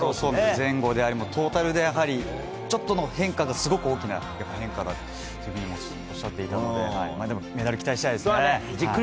前後であったりトータルでちょっとの変化が大きな変化だとおっしゃっていたのでメダルを期待したいですね。